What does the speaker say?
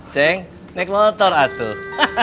ceng naik motor atuh